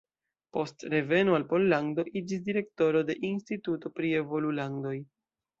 Post reveno al Pollando iĝis direktoro de Instituto pri Evolulandoj.